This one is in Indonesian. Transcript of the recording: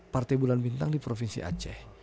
partai bulan bintang di provinsi aceh